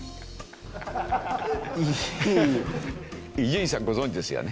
伊集院さんご存じですよね？